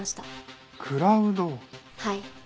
はい。